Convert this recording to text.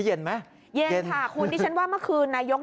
เย็นค่ะคุณที่ฉันว่าเมื่อคืนนายก